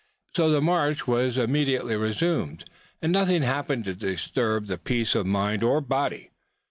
So the march was immediately resumed, and nothing happened to disturb their peace of mind or body.